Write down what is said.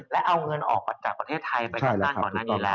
และเอาเงินออกจากประเทศไทยไปทั้งตั้งก่อนอันนี้แหละ